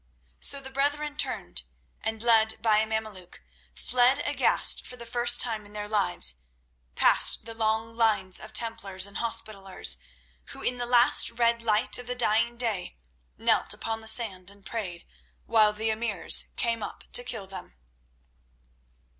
So the brethren turned, and led by a Mameluk, fled aghast for the first time in their lives, past the long lines of Templars and Hospitallers, who in the last red light of the dying day knelt upon the sand and prayed, while the emirs came up to kill them.